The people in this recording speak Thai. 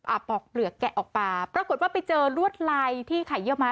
ปอกเปลือกแกะออกมาปรากฏว่าไปเจอลวดลายที่ไข่เยื่อไม้